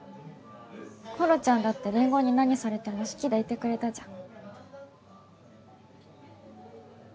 ころちゃんだってりんごに何されても好きでいてくれたじゃん